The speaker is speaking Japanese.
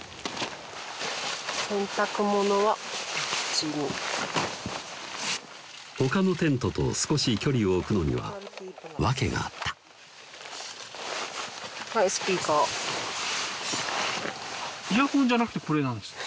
洗濯物はこっちに他のテントと少し距離を置くのには訳があったはいスピーカーイヤホンじゃなくてこれなんですか？